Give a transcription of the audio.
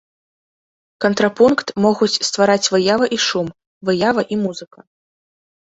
Кантрапункт могуць ствараць выява і шум, выява і музыка.